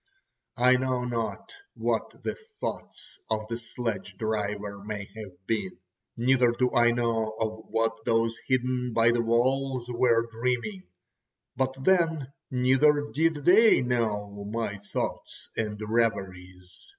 I know not what the thoughts of the sledge driver may have been, neither do I know of what those hidden by the walls were dreaming. But then, neither did they know my thoughts and reveries.